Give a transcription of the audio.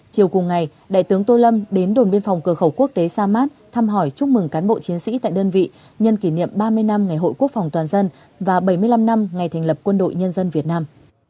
chiều cùng ngày đại tướng tô lâm đến đồn biên phòng cửa khẩu quốc tế sa mát thăm hỏi chúc mừng cán bộ chiến sĩ tại đơn vị nhân kỷ niệm ba mươi năm ngày hội quốc phòng toàn dân và bảy mươi năm năm ngày thành lập quân đội nhân dân việt nam